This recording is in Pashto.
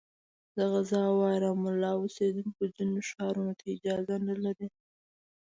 د غزه او رام الله اوسېدونکي ځینو ښارونو ته اجازه نه لري.